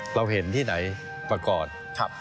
เราเห็นที่ไหนประกอบ